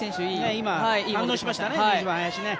今、反応しましたね。